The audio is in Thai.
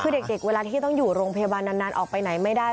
คือเด็กเวลาที่ต้องอยู่โรงพยาบาลนานออกไปไหนไม่ได้